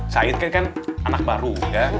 said kan anak baru ya